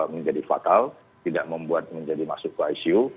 menjadi fatal tidak membuat menjadi masuk ke icu